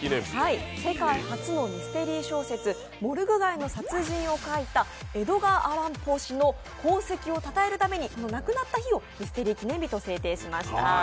世界初のミステリー小説「モルグ街の殺人」の書いたエドガー・アラン・ポー氏の功績をたたえるために亡くなった日をミステリー記念日と制定しました。